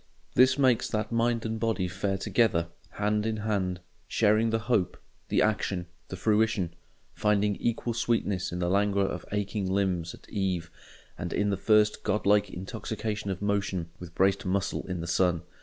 This makes that mind and body fare together, hand in hand, sharing the hope, the action, the fruition; finding equal sweetness in the languor of aching limbs at eve and in the first god like intoxication of motion with braced muscle in the sun.